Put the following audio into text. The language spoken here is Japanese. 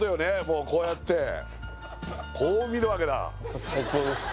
もうこうやってこう見るわけだ最高です